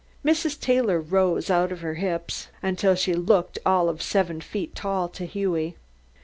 Mrs. Taylor rose out of her hips until she looked all of seven feet tall to Hughie.